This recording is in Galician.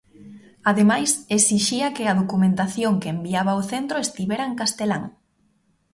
Ademais, exixía que a documentación que enviaba o centro estivera en castelán.